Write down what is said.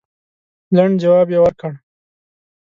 لنډ جواب یې ورکړ.